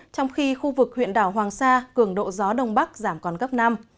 trong khi khu vực huyện đảo hoàng sa cường độ gió đông bắc giảm còn cấp năm